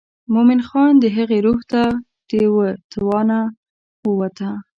مومن خان د هغې روح و د توانه ووته.